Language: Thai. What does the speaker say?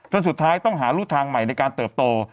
สุดท้ายต้องหารูดทางใหม่ในการเติบโต